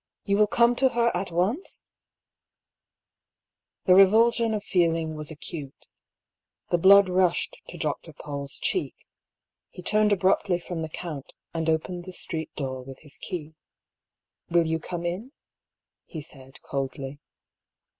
You will come to her at once ?" The revulsion of feeling was acute. The blood rushed to Dr. PauU's cheek. He turned abruptly from the count, and opened the street door with his key. " Will you come in ?" he said coldly.